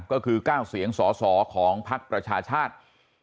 ก็คือ๙เสียงสอสอของภักดิ์ประชาชาติ